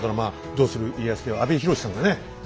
「どうする家康」では阿部寛さんがね